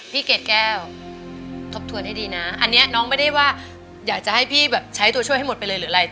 เกรดแก้วทบทวนให้ดีนะอันนี้น้องไม่ได้ว่าอยากจะให้พี่แบบใช้ตัวช่วยให้หมดไปเลยหรืออะไร